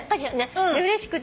うれしくて。